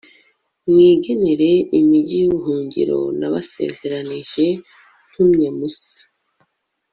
nimwigenere imigi y'ubuhungiro nabasezeranyije, ntumye musa